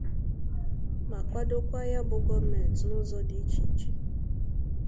ma kwàdokwa ya bụ gọọmenti n'ụzọ dị iche iche